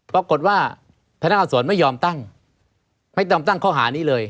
ปรากฏว่าพนักการณ์สวนไม่ยอมตั้งไม่ยอมตั้งข้อหานี้เลย